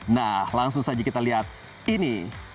nah langsung saja kita lihat ini